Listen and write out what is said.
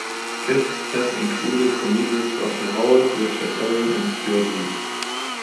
Guests have included comedians Russell Howard, Richard Herring, and Stewart Lee.